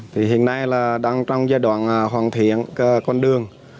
thì hiện nay là đang trong giai đoạn hoàn thiện con đường